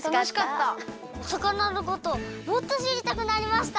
お魚のことをもっとしりたくなりました。